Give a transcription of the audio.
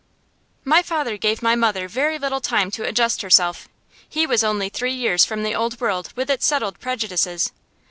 My father gave my mother very little time to adjust herself. He was only three years from the Old World with its settled prejudices.